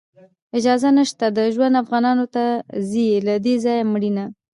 اجازت نشته د ژوند، افغانانو ته ځي له دې ځایه مړینه